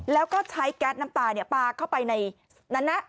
แล้วก็ใช้แก๊สน้ำตาปลาเข้าไปในนั้นนะ